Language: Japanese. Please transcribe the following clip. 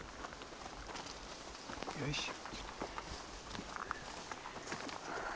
よいしょ。